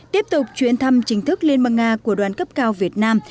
tiếp tục chuyến thăm chính thức liên bang nga của đoàn cấp cao việt nam